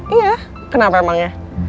iya kenapa emangnya